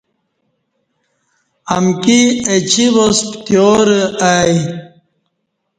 امکی اچی واس پتیارہ ایہ